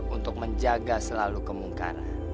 untuk menjaga selalu kemungkaran